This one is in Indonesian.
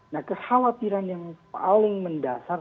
dan kekhawatiran yang paling mendasar